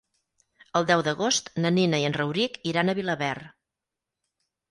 El deu d'agost na Nina i en Rauric iran a Vilaverd.